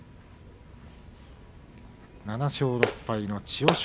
７勝６敗の千代翔